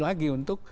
kewenangan lagi untuk